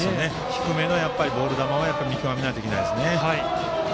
低めのボール球を見極めないといけないですね。